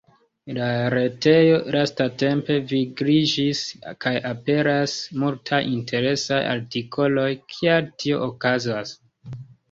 La retejo lastatempe vigliĝis kaj aperas multaj interesaj artikoloj, kial tio okazas?